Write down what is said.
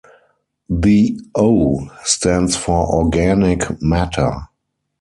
The "O" stands for organic matter.